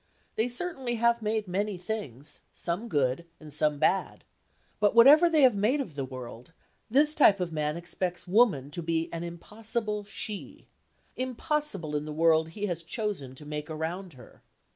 They certainly have made many things, some good and some bad. But whatever they have made of the world, this type of man expects woman to be an impossible She,—impossible in the world he has chosen to make around her.